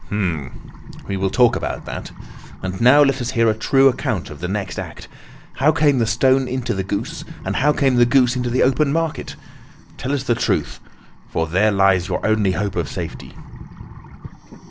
"Hum! We will talk about that. And now let us hear a true account of the next act. How came the stone into the goose, and how came the goose into the open market? Tell us the truth, for there lies your only hope of safety."